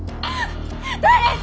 誰か！